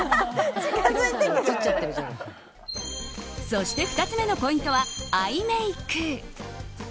そして２つ目のポイントはアイメイク。